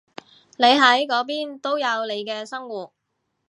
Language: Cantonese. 你喺嗰邊都有你嘅生活